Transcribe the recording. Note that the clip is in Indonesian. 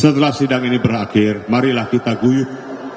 setelah sidang ini berakhir marilah kita guyup